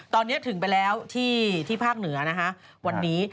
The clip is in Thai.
ตอนนี้ถึงไปแล้วที่ภาคเหนือนะคะวันนี้